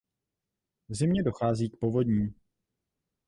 V zimě dochází k povodním.